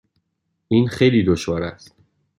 این خیلی دشوار است.